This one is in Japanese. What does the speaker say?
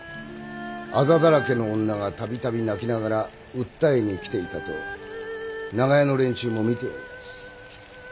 痣だらけの女がたびたび泣きながら訴えに来ていたと長屋の連中も見ておりやす。